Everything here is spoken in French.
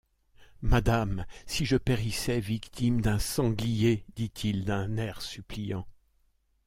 Madame, si je périssais victime d’un sanglier! dit-il d’un air suppliant.